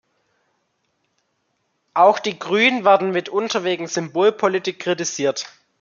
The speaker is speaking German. Auch die Grünen werden mitunter wegen Symbolpolitik kritisiert.